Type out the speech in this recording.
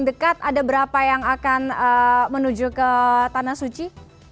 dekat ada berapa yang akan menuju ke tanah suci